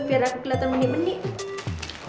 biar aku keliatan menik menik